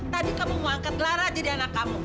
tadi kamu mau angkat lara jadi anak kamu